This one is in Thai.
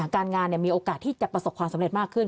การงานมีโอกาสที่จะประสบความสำเร็จมากขึ้น